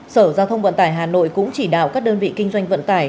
sở giao thông vận tải hà nội cũng chỉ đạo các đơn vị kinh doanh vận tải